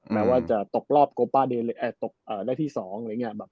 แม้ว่าจะตกรอบก็ได้ที่สอง